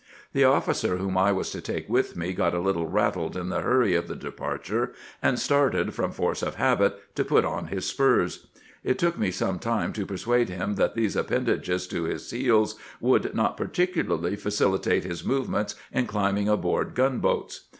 The officer whom I was to take with me got a little rattled in the hurry of the departure, and started, from force of habit, to put on his spurs. It took me some time to persuade him that these appendages to his heels would not par ticularly facilitate his movements in climbing aboard gunboats.